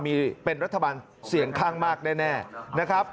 มีเป็นรัฐบาลเสียงข้างมากแน่นะครับ